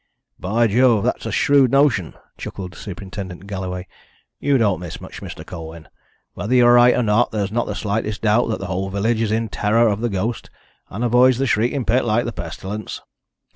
"By Jove, that's a shrewd notion!" chuckled Superintendent Galloway. "You don't miss much, Mr. Colwyn. Whether you're right or not, there's not the slightest doubt that the whole village is in terror of the ghost, and avoids the Shrieking Pit like a pestilence.